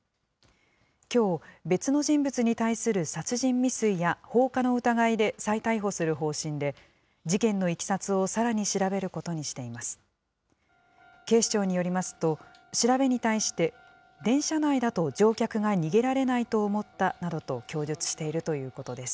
きょう、別の人物に対する殺人未遂や、放火の疑いで再逮捕する方針で、事件のいきさつをさらに調べることにしています。